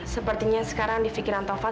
sepertinya sekarang di pikiran taufan